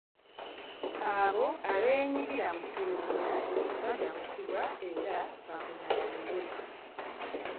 Abo abeenyigira mu kutulugunya bajja kusibibwa era bavunaanibwe.